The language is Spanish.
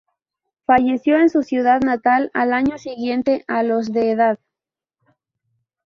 Falleció en su ciudad natal al año siguiente, a los de edad.